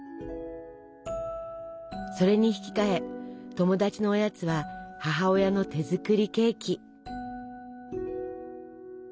それにひきかえ友達のおやつは母親の手作りケーキ。